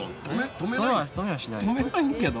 止めないけど。